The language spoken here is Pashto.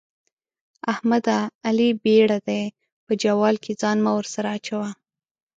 احمده؛ علي بېړا دی - په جوال کې ځان مه ورسره اچوه.